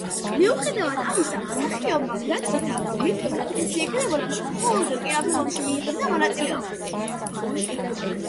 მიუხედავად ამისა, მსახიობმა გადაწყვიტა რომ მისთვის უკეთესი იქნებოდა თუ მხოლოდ კინოფილმებში მიიღებდა მონაწილეობას.